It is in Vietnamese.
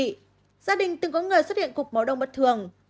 gia đình từng có người xuất hiện cục máu đông bất thường